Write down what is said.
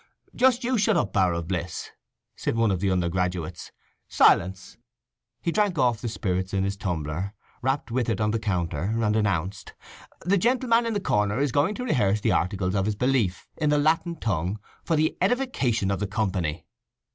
"Just you shut up, Bower o' Bliss!" said one of the undergraduates. "Silence!" He drank off the spirits in his tumbler, rapped with it on the counter, and announced, "The gentleman in the corner is going to rehearse the Articles of his Belief, in the Latin tongue, for the edification of the company."